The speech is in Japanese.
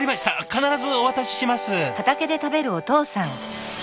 必ずお渡しします。